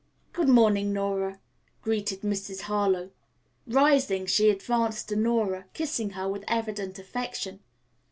"Good morning, Nora," greeted Mrs. Harlowe. Rising, she advanced to Nora, kissing her with evident affection.